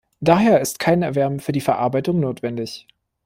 Daher ist kein Erwärmen für die Verarbeitung notwendig.